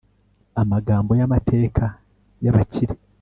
amagambo yamateka ya bakire